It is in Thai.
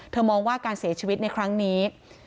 มองว่าการเสียชีวิตในครั้งนี้